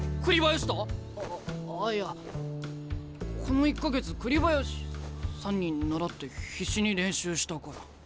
この１か月栗林さんにならって必死に練習したから。